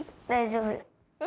大丈夫。